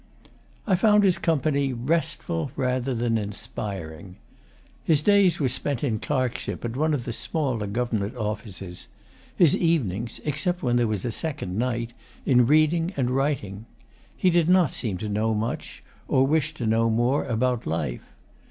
I found his company restful rather than inspiring. His days were spent in clerkship at one of the smaller Government Offices, his evenings except when there was a second night in reading and writing. He did not seem to know much, or to wish to know more, about life.